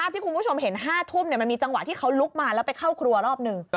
ที่คุณผู้ชมเห็น๕ทุ่มมันมีจังหวะที่เขาลุกมาแล้วไปเข้าครัวรอบหนึ่ง